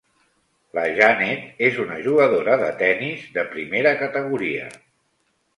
La Janet és una jugadora de tennis de primera categoria.